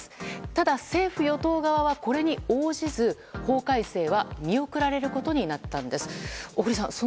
ただ政府・与党側はこれに応じず法改正は見送られることになったんです。